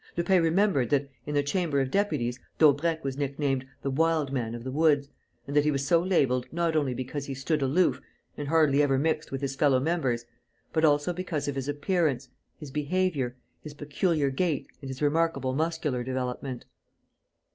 Lupin remembered that, in the Chamber of Deputies, Daubrecq was nicknamed "The Wild Man of the Woods" and that he was so labelled not only because he stood aloof and hardly ever mixed with his fellow members, but also because of his appearance, his behaviour, his peculiar gait and his remarkable muscular development.